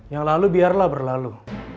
yang lalu biarlah berlalu